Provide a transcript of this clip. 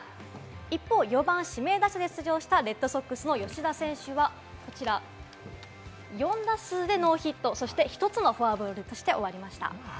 一方、４番・指名打者で出場したいレッドソックス・吉田選手は４打数でノーヒット、１つのフォアボールと終わりました。